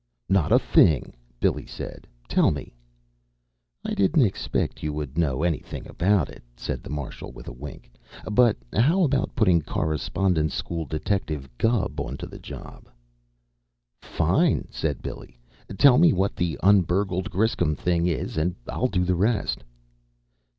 "Not a thing!" Billy said. "Tell me." "I didn't expect you would know anything about it," said the Marshal with a wink. "But how about putting Correspondence School Detective Gubb onto the job?" "Fine!" said Billy. "Tell me what the un burgled Griscom thing is, and I'll do the rest."